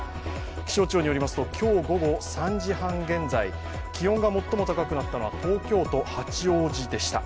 気象庁によりますと今日午後３時半現在、気温が最も高くなったのは東京都八王子でした。